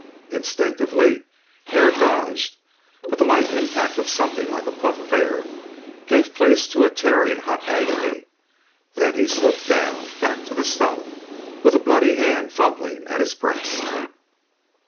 Instinctively Hare dodged, but the light impact of something like a puff of air gave place to a tearing hot agony. Then he slipped down, back to the stone, with a bloody hand fumbling at his breast.